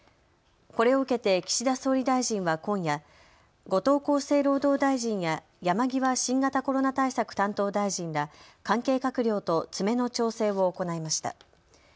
これを受けて岸田総理大臣は今夜、後藤厚生労働大臣や山際新型コロナ対策担当大臣ら関係閣僚と詰めの調整を行いました。